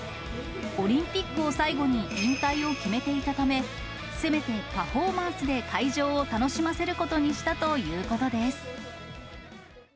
オリンピックを最後に引退を決めていたため、せめてパフォーマンスで会場を楽しませることにしたということです。